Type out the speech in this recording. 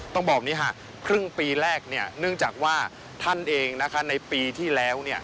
ต้องบอกว่าคืิงปีแรกเนื่องจากว่าท่านเองในปีที่แล้ว